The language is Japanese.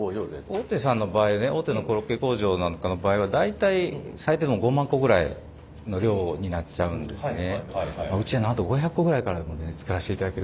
大手さんの場合ね大手のコロッケ工場なんかの場合は大体最低でも５万個ぐらいの量になっちゃうんですね。